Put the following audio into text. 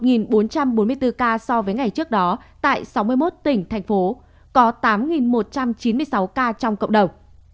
trong một bốn trăm bốn mươi bốn ca so với ngày trước đó tại sáu mươi một tỉnh thành phố có tám một trăm chín mươi sáu ca trong cộng đồng